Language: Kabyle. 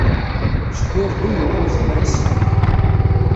Cbirdu yuɣal izmer-asen.